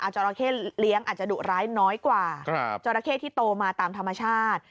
จราเข้เลี้ยงอาจจะดุร้ายน้อยกว่าจราเข้ที่โตมาตามธรรมชาติ